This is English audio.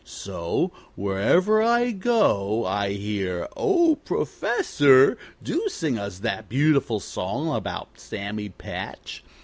So wherever I go I hear, 'Oh, Professor, do sing us that beautiful song about Sammy Patch.'